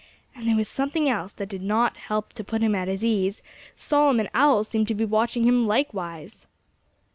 And there was something else that did not help to put him at his ease: Solomon Owl seemed to be watching him likewise!